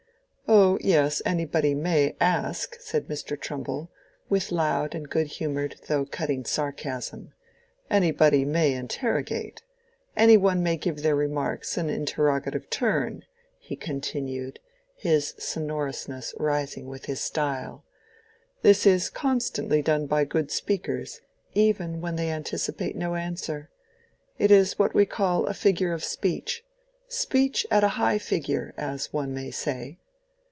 "Oh yes, anybody may ask," said Mr. Trumbull, with loud and good humored though cutting sarcasm. "Anybody may interrogate. Any one may give their remarks an interrogative turn," he continued, his sonorousness rising with his style. "This is constantly done by good speakers, even when they anticipate no answer. It is what we call a figure of speech—speech at a high figure, as one may say."